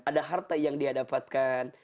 ada harta yang dia dapatkan